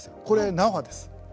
これ縄です。